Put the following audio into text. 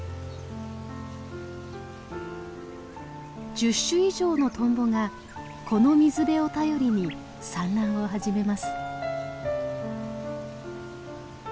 １０種以上のトンボがこの水辺を頼りに産卵を始めます。